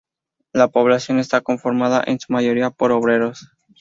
La población está conformada en su mayoría por obreros.